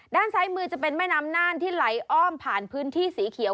ด้านซ้ายมือจะเป็นแม่น้ำน่านที่ไหลอ้อมผ่านพื้นที่สีเขียว